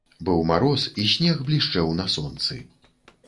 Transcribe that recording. Быў мароз, і снег блішчэў на сонцы.